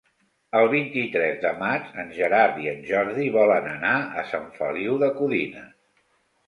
El vint-i-tres de maig en Gerard i en Jordi volen anar a Sant Feliu de Codines.